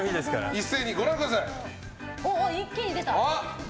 一斉にご覧ください。